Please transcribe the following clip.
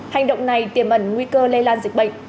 hành động này tiềm ẩn nguy cơ lây lan dịch bệnh